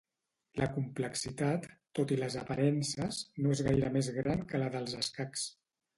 La complexitat, tot i les aparences, no és gaire més gran que la dels escacs.